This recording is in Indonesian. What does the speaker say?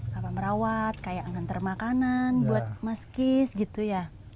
bapak merawat kayak nganter makanan buat mas kis gitu ya